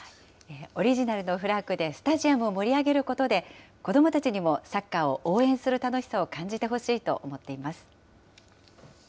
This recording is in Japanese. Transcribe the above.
オリジナルのフラッグでスタジアムを盛り上げることで、子どもたちにもサッカーを応援する楽しさを感じてほしいと思っています。